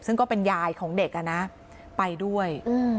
ซึ่งก็เป็นยายของเด็กอ่ะนะไปด้วย